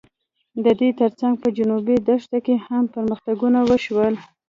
د دې تر څنګ په جنوبي دښته کې هم پرمختګونه وشول.